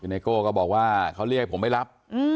ไนโก้ก็บอกว่าเขาเรียกให้ผมไม่รับ